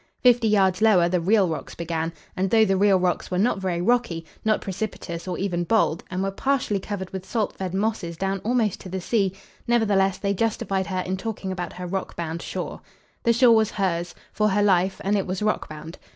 Fifty yards lower the real rocks began; and, though the real rocks were not very rocky, not precipitous or even bold, and were partially covered with salt fed mosses down almost to the sea, nevertheless they justified her in talking about her rock bound shore. The shore was hers, for her life, and it was rock bound.